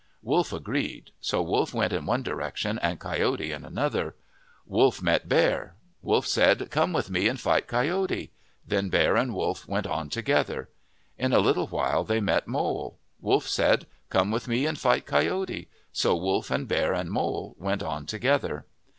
Wolf agreed. So Wolf went in one direction and Coyote in another. Wolf met Bear. Wolf said, " Come with me and fight Coyote." Then Bear and Wolf went on together. In a little while they met Mole. Wolf said, " Come with me and fight Coyote/' So Wolf and Bear and Mole went on together.